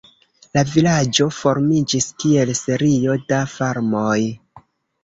La vilaĝo formiĝis, kiel serio da farmoj.